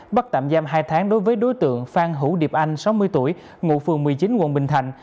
bắt tạm giam hai tháng đối với đối tượng phan hữu điệp anh sáu mươi tuổi ngụ phường một mươi chín quận bình thạnh